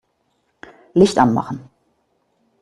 Licht anmachen.